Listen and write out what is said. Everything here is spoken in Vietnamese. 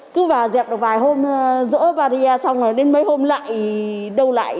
cứ vào dẹp được vài hôm rỡ và rìa xong rồi đến mấy hôm lại đâu lại